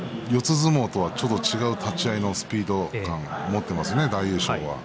相撲とはちょっと違う立ち合いのスピード感を持っていますね大栄翔は。